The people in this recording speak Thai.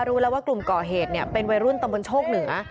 รู้แล้วว่ากลุ่มก่อเหตุเป็นวัยรุ่นตำบลโชคเหนือ